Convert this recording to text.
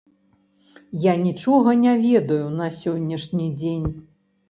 Я нічога не ведаю на сённяшні дзень.